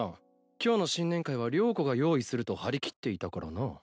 今日の新年会は了子が用意すると張り切っていたからな。